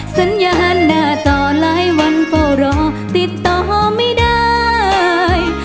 สัญญาณหน้าต่อหลายวันเฝ้ารอติดต่อไม่ได้